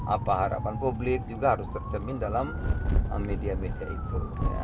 apa harapan publik juga harus tercermin dalam media media itu